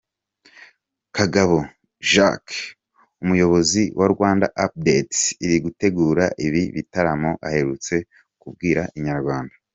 Kagabo Jacques umuyobozi wa Rwanda Updates iri gutegura ibi bitaramo aherutse kubwira Inyarwanda.